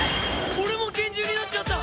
俺も拳銃になっちゃった！